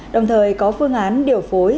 đồng thời có phương án điều phối